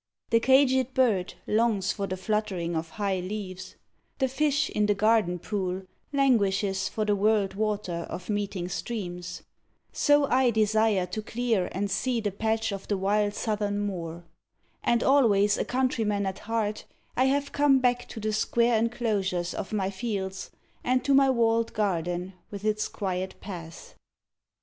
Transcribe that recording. The caged bird longs for the fluttering of high leaves. The fish in the garden pool languishes for the whirled water Of meeting streams. So I desired to clear and seed a patch of the wild Southern moor. And always a countryman at heart, I have come back to the square enclosures of my fields And to my walled garden with its quiet paths.